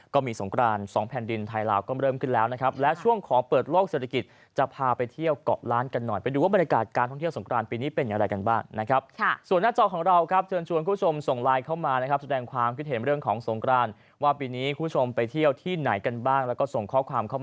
ของแผ่นดินไทยราวก็เริ่มขึ้นแล้วนะครับและช่วงของเปิดโลกเศรษฐกิจจะพาไปเที่ยวเกาะล้านกันหน่อยไปดูว่าบรรยากาศการท่องเที่ยวสงกรานปีนี้เป็นอะไรกันบ้างนะครับส่วนหน้าจอของเราครับเชิญคุณผู้ชมส่งไลน์เข้ามานะครับแสดงความคิดเห็นเรื่องของสงกรานว่าปีนี้คุณผู้ชมไปเที่ยวที่ไหนกันบ้างแล้